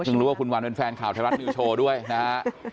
ซึ่งรู้ว่าคุณวันเป็นแฟนข่าวไทยรัฐนิวโชว์ด้วยนะฮะ